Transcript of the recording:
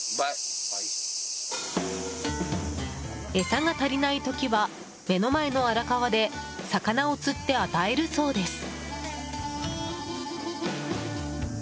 餌が足りない時は目の前の荒川で魚を釣って与えるそうです。